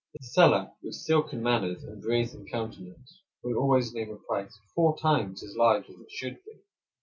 The seller, with silken manners and brazen countenance, will always name a price four times as large as it should be.